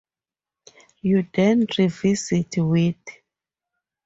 You then revisit Wit.